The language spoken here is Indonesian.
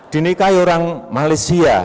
dinikahi orang malaysia